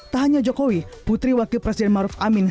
tak hanya jokowi putri wakil presiden maruf amin